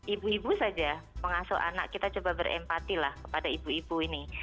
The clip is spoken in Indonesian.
ibu ibu saja pengasuh anak kita coba berempati lah kepada ibu ibu ini